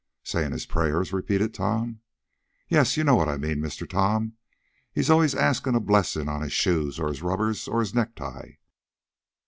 "Saying his prayers?" repeated Tom. "Yep. Yo' knows what I means, Massa Tom. He's allers askin' a blessin' on his shoes, or his rubbers, or his necktie."